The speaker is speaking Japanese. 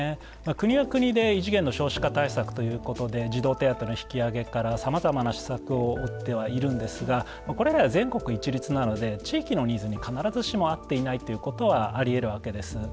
国は国で異次元の少子化対策ということで児童手当の引き上げからさまざまな施策を打ってはいるんですがこれらは全国一律なので地域のニーズに必ずしも合っていないということはありえるわけです。